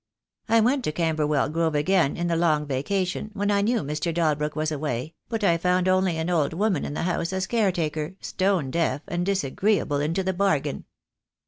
I went to Camberwell Grove again in the Long Vacation, when I knew Mr. Dalbrook was away, but I found only an old woman in the house as caretaker, stone deaf, and disagreeable into the bargain.